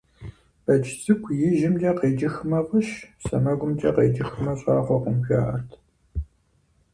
Бэдж цӀыкӀу ижьымкӀэ къеджыхмэ, фӀыщ, сэмэгумкӀэ къеджыхмэ, щӀагъуэкъым, жаӀэрт.